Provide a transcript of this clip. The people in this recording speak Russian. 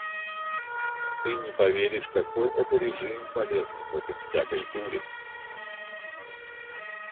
Ты не поверишь, какой это режим полезный против всякой дури.